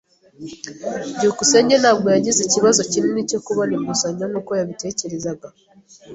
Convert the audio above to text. byukusenge ntabwo yagize ikibazo kinini cyo kubona inguzanyo nkuko yabitekerezaga.